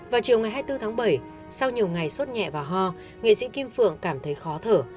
vào chiều ngày hai mươi bốn tháng bảy sau nhiều ngày suốt nhẹ và ho nghệ sĩ kim phượng cảm thấy khó thở